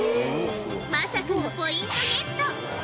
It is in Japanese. まさかのポイントゲット。